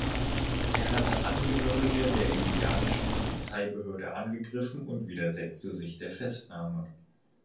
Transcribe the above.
Er hatte Angehörige der indianischen Polizeibehörde angegriffen und widersetzte sich der Festnahme.